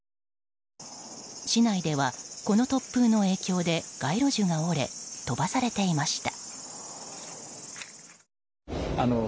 市内ではこの突風の影響で街路樹が折れ飛ばされていました。